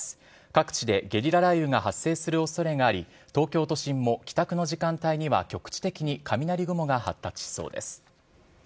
各地でゲリラ雷雨が発生するおそれがあり、東京都心も帰宅の時間帯には局地的に雷雲が発達しそうです。